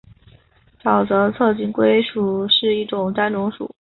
沼泽侧颈龟属是一个单种属。